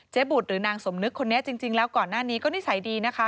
บุตรหรือนางสมนึกคนนี้จริงแล้วก่อนหน้านี้ก็นิสัยดีนะคะ